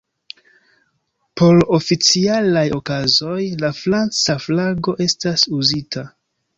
Por oficialaj okazoj, la franca flago estas uzita.